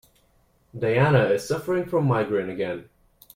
Diana is suffering from migraine again.